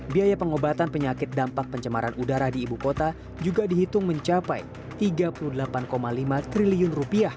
biaya pengobatan penyakit dampak pencemaran udara di ibu kota juga dihitung mencapai rp tiga puluh delapan lima triliun